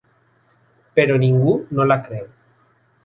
Però ningú no la creu.